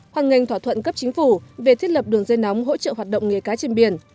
hoàn ngành thỏa thuận cấp chính phủ về thiết lập đường dây nóng hỗ trợ hoạt động nghề cá trên biển